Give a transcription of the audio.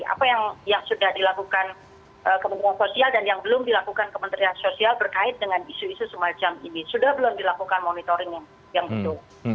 apa yang sudah dilakukan kementerian sosial dan yang belum dilakukan kementerian sosial berkait dengan isu isu semacam ini sudah belum dilakukan monitoring yang betul